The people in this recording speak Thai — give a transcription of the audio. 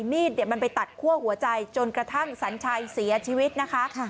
มีดมันไปตัดคั่วหัวใจจนกระทั่งสัญชัยเสียชีวิตนะคะ